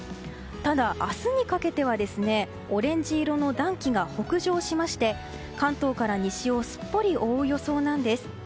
ただ、明日にかけてはオレンジ色の暖気が北上しまして関東から西をすっぽり覆う予想なんです。